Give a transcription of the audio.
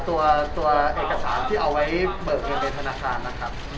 ก็สามารถจะให้เขียนใหม่ได้จังนะครับ